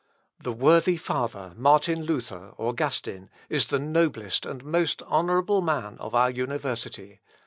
"The worthy father, Martin Luther, Augustin, is the noblest and most honourable man of our university.